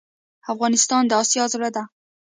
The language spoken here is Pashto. افغانستان د اسیا زړه ده